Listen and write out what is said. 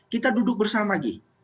kita duduk bersama g